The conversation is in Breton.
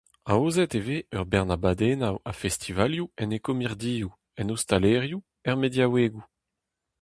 Aozet e vez ur bern abadennoù ha festivalioù en ekomirdioù, en ostalerioù, er mediaouegoù…